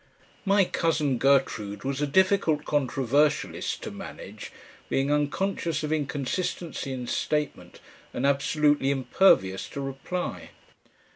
My cousin Gertrude was a difficult controversialist to manage, being unconscious of inconsistency in statement and absolutely impervious to reply.